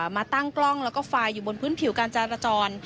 มาตั้งกล้องแล้วก็ไฟล์อยู่บนพื้นผิวการจราจร